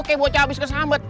kayak bocah habis kesambet